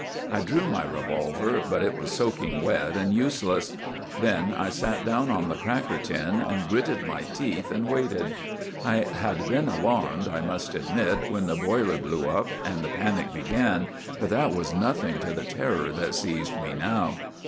' I drew my revolver, but it was soaking wet and useless. Then I sat down on the cracker tin and gritted my teeth and waited. I had been alarmed, I must admit, when the boiler blew up and the panic GULLIVER THE GREAT 13 began, but that was nothing to the terror that seized me now.